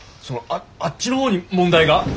そのああっちの方に問題が？